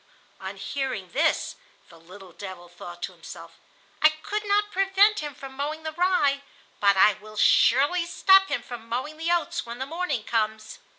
On hearing this, the little devil thought to himself: "I could not prevent him from mowing the rye, but I will surely stop him from mowing the oats when the morning comes."